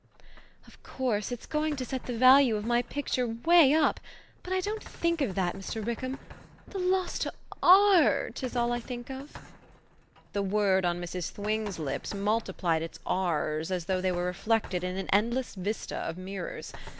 "Of course it's going to send the value of my picture 'way up; but I don't think of that, Mr. Rickham the loss to Arrt is all I think of." The word, on Mrs. Thwing's lips, multiplied its RS as though they were reflected in an endless vista of mirrors.